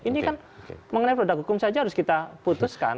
ini kan mengenai produk hukum saja harus kita putuskan